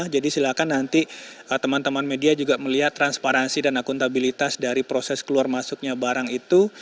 jadi silakan nanti teman teman media juga melihat transparansi dan akuntabilitas dari proses keluar masuknya barang itu